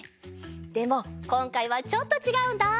でもこんかいはちょっとちがうんだ！